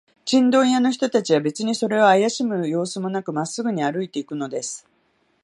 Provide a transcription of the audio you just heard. チンドン屋の人たちは、べつにそれをあやしむようすもなく、まっすぐに歩いていくのです。